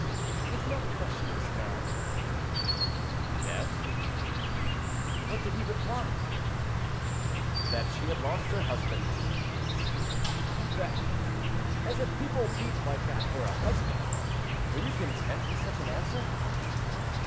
"Did you not question this man?" "Yes." "What did he reply? "That she had lost her husband." "Bah! as if people weep like that for a husband. Were you content with such an answer?"